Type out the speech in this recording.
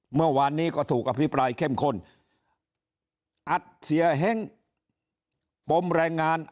เมื่อวานนี้ก็ถูกอภิปรายเข้มข้นอัดเสียเฮ้งปมแรงงาน